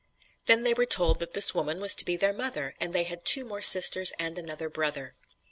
Then they were told that this woman was to be their mother and they had two more sisters and another brother!